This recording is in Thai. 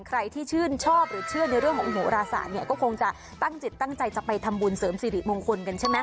ใครที่ชื่นชอบหรือเชื่อในเรื่องของโหราศาสตร์เนี่ยก็คงจะตั้งจิตตั้งใจจะไปทำบุญเสริมสิริมงคลกันใช่ไหม